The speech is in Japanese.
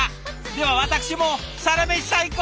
では私も「サラメシ」最高！